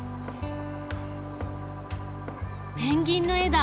ペンギンの絵だ。